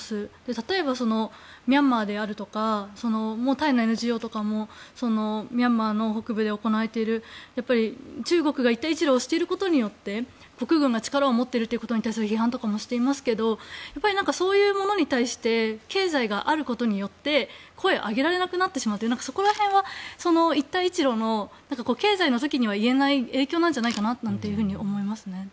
例えば、ミャンマーであるとかミャンマーの北部で行われている中国が一帯一路をしていることによって国軍が力を持っているということに対して批判とかもしていますけどそういうものに対して経済があることによって、声を上げられなくなってしまっているそこら辺は、一帯一路の経済の先にはいけない影響なんじゃないかなと思いますね。